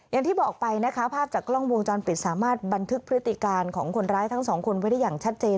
อย่างที่บอกไปนะคะภาพจากกล้องวงจรปิดสามารถบันทึกพฤติการของคนร้ายทั้งสองคนไว้ได้อย่างชัดเจน